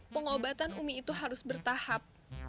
pengobatan umi itu harus bertahap